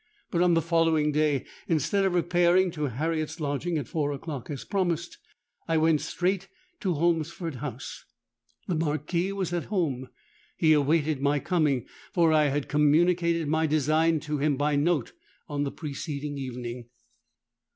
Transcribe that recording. But on the following day, instead of repairing to Harriet's lodging at four o'clock, as promised, I went straight to Holmesford House. The Marquis was at home: he awaited my coming—for I had communicated my design to him by note on the preceding evening.